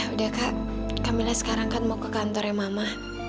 udah kak camillah sekarang kan mau ke kantornya mama